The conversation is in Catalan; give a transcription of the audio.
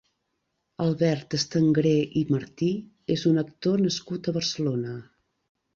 Albert Estengre i Martí és un actor nascut a Barcelona.